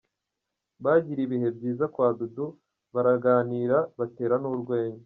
Bagiriye ibihe byiza kwa Dudu baraganira batera n'urwenya.